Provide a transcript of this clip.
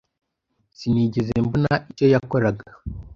Sinigeze mbona icyo yakoraga.